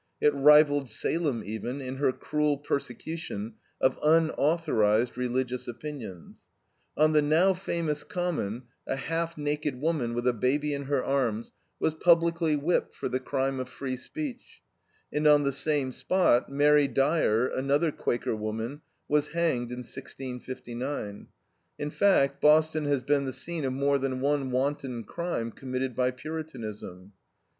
It rivaled Salem, even, in her cruel persecution of unauthorized religious opinions. On the now famous Common a half naked woman, with a baby in her arms, was publicly whipped for the crime of free speech; and on the same spot Mary Dyer, another Quaker woman, was hanged in 1659. In fact, Boston has been the scene of more than one wanton crime committed by Puritanism.